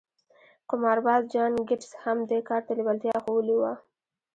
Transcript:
قمارباز جان ګيټس هم دې کار ته لېوالتيا ښوولې وه.